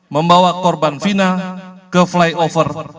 membawa korban vina ke flyover